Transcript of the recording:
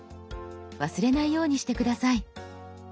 忘れないようにして下さい。